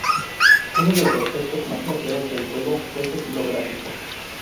Uno de los aspectos más elogiados del juego fue su estilo gráfico.